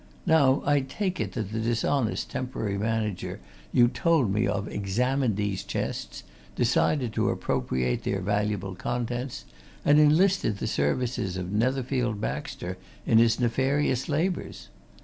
Now I take it that the dishonest temporary manager you told me of examined those chests, decided to appropriate their valuable contents, and enlisted the services of Netherfield Baxter in his nefarious labours.